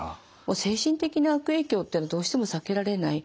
精神的な悪影響っていうのはどうしても避けられない。